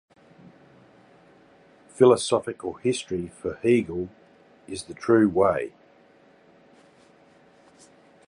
Philosophical history for Hegel, is the true way.